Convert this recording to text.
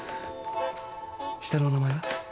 下のお名前は？